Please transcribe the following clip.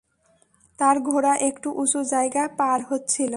তার ঘোড়া একটু উঁচু জায়গা পার হচ্ছিল।